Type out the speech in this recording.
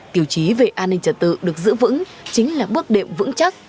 tiểu chí về an ninh trật tự được giữ vững chính là bước đệm vững chắc